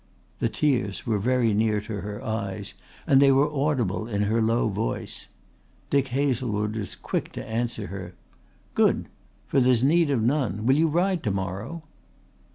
The tears were very near to her eyes and they were audible in her low voice. Dick Hazlewood was quick to answer her. "Good! For there's need of none. Will you ride to morrow?"